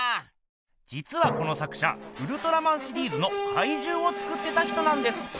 じつはこの作者ウルトラマンシリーズのかいじゅうを作ってた人なんです。